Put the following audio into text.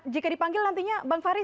jika dipanggil nantinya bang fahri